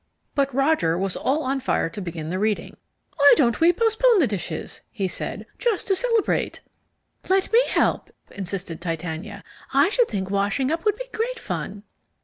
But Roger was all on fire to begin the reading. "Why don't we postpone the dishes," he said, "just to celebrate?" "Let me help," insisted Titania. "I should think washing up would be great fun."